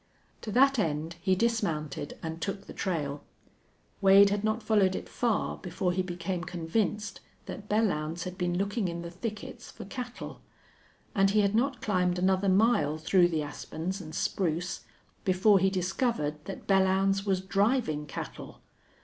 To that end he dismounted and took the trail. Wade had not followed it far before he became convinced that Belllounds had been looking in the thickets for cattle; and he had not climbed another mile through the aspens and spruce before he discovered that Belllounds was driving cattle.